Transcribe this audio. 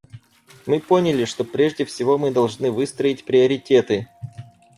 Мы поняли, что прежде всего мы должны выстроить приоритеты.